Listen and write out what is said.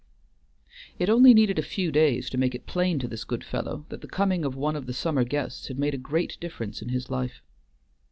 It only needed a few days to make it plain to this good fellow that the coming of one of the summer guests had made a great difference in his life.